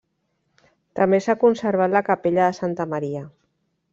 També s'ha conservat la capella de Santa Maria.